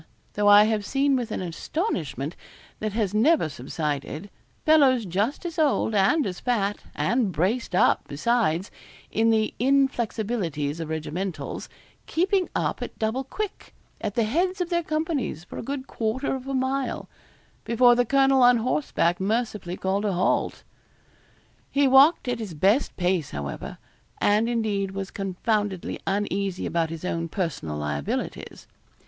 Though I have seen with an astonishment that has never subsided, fellows just as old and as fat, and braced up, besides, in the inflexibilities of regimentals, keeping up at double quick, at the heads of their companies, for a good quarter of a mile, before the colonel on horseback mercifully called a halt. He walked at his best pace, however, and indeed was confoundedly uneasy about his own personal liabilities.